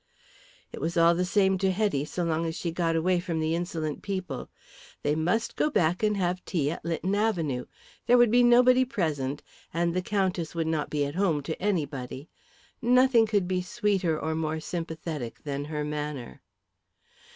It was all the same to Hetty so long as she got away from the insolent people. They must go back and have tea at Lytton Avenue. There would be nobody present, and the Countess would not be at home to anybody. Nothing could be sweeter or more sympathetic than her manner.